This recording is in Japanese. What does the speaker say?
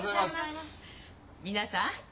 皆さん。